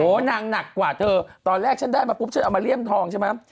นางหนักกว่าเธอตอนแรกฉันได้มาปุ๊บฉันเอามาเลี่ยมทองใช่ไหม